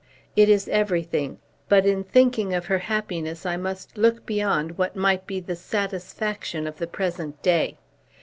"It is everything. But in thinking of her happiness I must look beyond what might be the satisfaction of the present day.